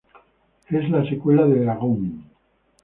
Es la secuela de "Eragon".